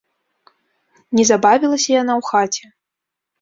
Не забавілася яна ў хаце.